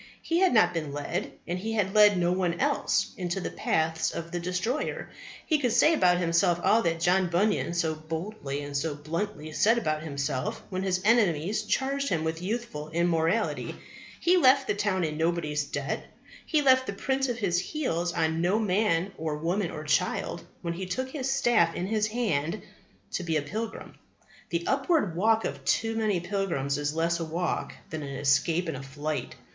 He had not been led, and he had led no one else, into the paths of the destroyer. He could say about himself all that John Bunyan so boldly and so bluntly said about himself when his enemies charged him with youthful immorality. He left the town in nobody's debt. He left the print of his heels on no man or woman or child when he took his staff in his hand to be a pilgrim. The upward walk of too many pilgrims is less a walk than an escape and a flight.